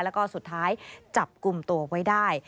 แล้วก็สุดท้ายจับกลุ่มตัวไว้ได้